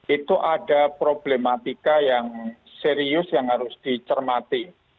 itu ada problematika yang serius yang harus dicermati